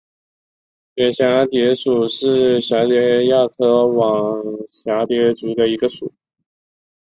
远蛱蝶属是蛱蝶亚科网蛱蝶族中的一个属。